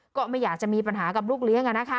ก็ไม่อยากจะมีปัญหากับลูกเลี้ยง